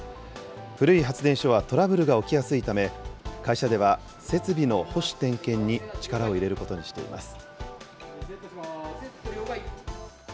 古い発電所はトラブルが起きやすいため、会社では設備の保守点検に力を入れることにしています。